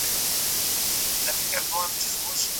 کله ناکله فشار د تمو له امله رامنځته کېږي.